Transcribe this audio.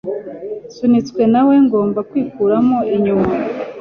Nsunitswe na we ngomba kwikuramo inyuma